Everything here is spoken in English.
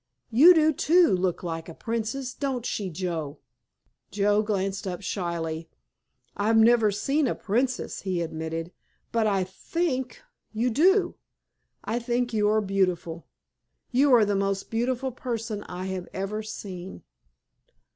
"You do, too, look like a princess, don't she, Joe?" Joe glanced up shyly. "I've never seen a princess," he admitted, "but I think you do. I think you are beautiful. You are the most beautiful person I have ever seen."